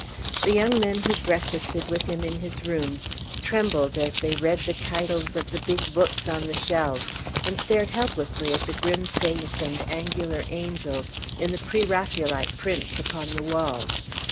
The young men who breakfasted with him in his rooms trembled as they read the titles of the big books on the shelves, and stared helplessly at the grim saints and angular angels in the pre Raphaelite prints upon the walls.